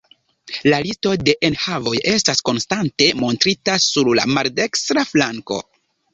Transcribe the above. La listo de enhavoj estas konstante montrita sur la maldekstra flanko.